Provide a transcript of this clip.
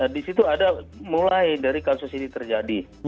di situ ada mulai dari kasus ini terjadi